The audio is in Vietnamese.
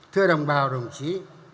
thưa đồng bào đồng chí